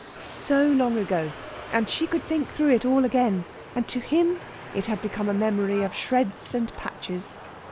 So long ago! And she could think through it all again. And to him it had become a memory of shreds and patches.